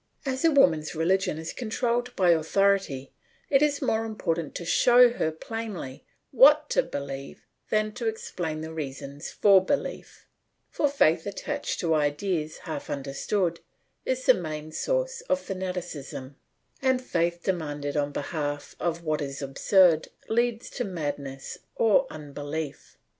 As a woman's religion is controlled by authority it is more important to show her plainly what to believe than to explain the reasons for belief; for faith attached to ideas half understood is the main source of fanaticism, and faith demanded on behalf of what is absurd leads to madness or unbelief.